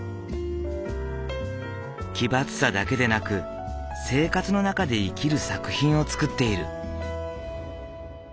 奇抜さだけでなく生活の中で生きる作品を作っている。